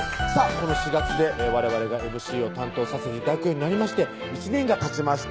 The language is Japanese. この４月でわれわれがＭＣを担当させて頂くようになりまして１年がたちました